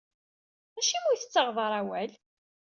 Acimi ur iyi-tettaɣeḍ ara awal?